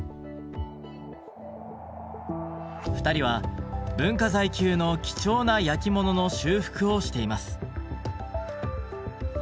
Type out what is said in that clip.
２人は文化財級の貴重な焼き物の修復をしています。